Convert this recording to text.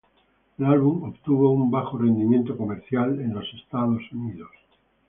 El álbum obtuvo un Bajo rendimiento comercial en Estados Unidos.